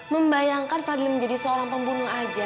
membayangkan fadli menjadi seorang pembunuh aja